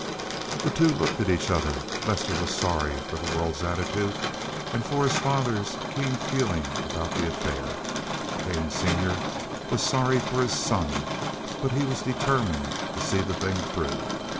The two looked at each other. Lester was sorry for the world's attitude and for his father's keen feeling about the affair. Kane senior was sorry for his son, but he was determined to see the thing through.